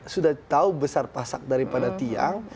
sudah tahu besar pasak daripada tiang